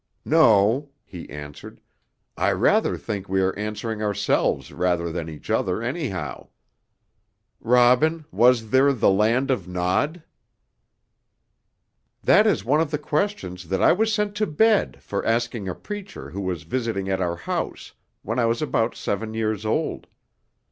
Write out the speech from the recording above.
"No," he answered, "I rather think that we are answering ourselves rather than each other, anyhow. Robin, where was 'the land of Nod'?" "That is one of the questions that I was sent to bed for asking a preacher who was visiting at our house, when I was about seven years old.